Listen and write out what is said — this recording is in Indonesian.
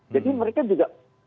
jadi mereka juga